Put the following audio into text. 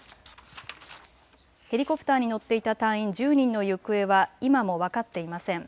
ヘリコプターに乗っていた隊員１０人の行方は今も分かっていません。